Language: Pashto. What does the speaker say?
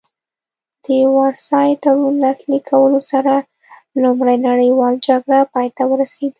د وارسای تړون لاسلیک کولو سره لومړۍ نړیواله جګړه پای ته ورسیده